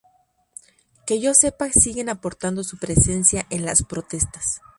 Que yo sepa siguen aportando su presencia en las protestas